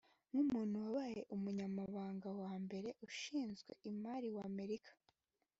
nk’umuntu wabaye Umunyamabanga wa mbere ushinzwe imari wa Amerika